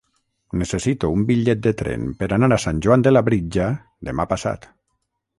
Necessito un bitllet de tren per anar a Sant Joan de Labritja demà passat.